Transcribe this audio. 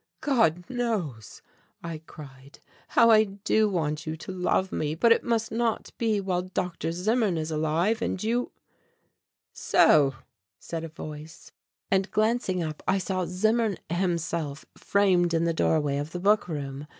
"God knows," I cried, "how I do want you to love me, but it must not be while Dr. Zimmern is alive and you " "So," said a voice and glancing up I saw Zimmern himself framed in the doorway of the book room.